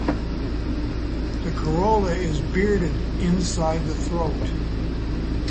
The corolla is bearded inside the throat.